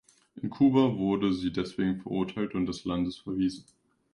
In Kuba wurde sie deswegen verurteilt und des Landes verwiesen.